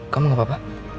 kamu gak apa apa